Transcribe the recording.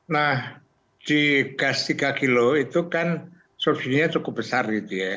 nah di gas tiga kg itu kan subsidinya cukup besar gitu ya